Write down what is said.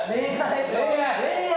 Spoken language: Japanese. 恋愛？